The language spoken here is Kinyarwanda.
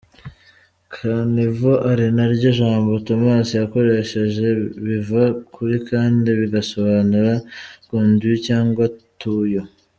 “Caniveau” ari na ryo jambo Tomasi yakoresheje, biva kuri “canne”, bigasobanura “conduit” cyangwa “tuyau”.